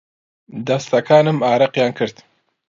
دەستەکانم ئارەقیان کرد.